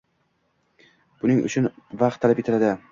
Buning uchun vaqt talab etiladi.